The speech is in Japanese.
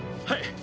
はい！